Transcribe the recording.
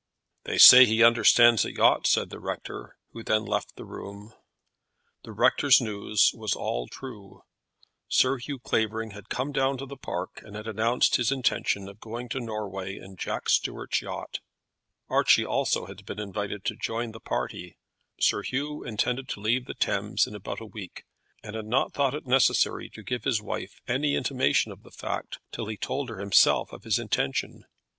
"They say he understands a yacht," said the rector, who then left the room. The rector's news was all true. Sir Hugh Clavering had come down to the Park, and had announced his intention of going to Norway in Jack Stuart's yacht. Archie also had been invited to join the party. Sir Hugh intended to leave the Thames in about a week, and had not thought it necessary to give his wife any intimation of the fact, till he told her himself of his intention.